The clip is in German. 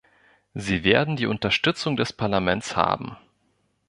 Sie werden die Unterstützung des Parlaments haben.